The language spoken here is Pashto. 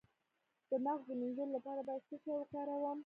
د مغز د مینځلو لپاره باید څه شی وکاروم؟